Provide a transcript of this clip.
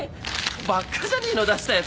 バッカじゃねえの出したヤツ。